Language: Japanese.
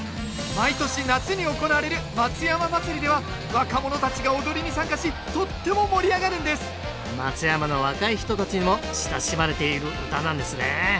毎年夏に行われる松山まつりでは若者たちが踊りに参加しとっても盛り上がるんです松山の若い人たちにも親しまれている唄なんですね。